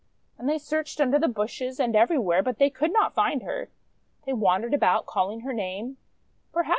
And they searched under the bushes and every where, but they could not find her. They wan dered about, calling her name.